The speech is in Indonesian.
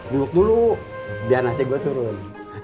duluk dulu biar nasi gue turun